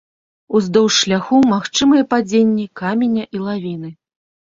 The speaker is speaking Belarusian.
Уздоўж шляху магчымыя падзенні каменя і лавіны.